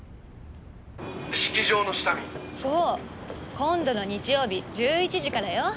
今度の日曜日１１時からよ。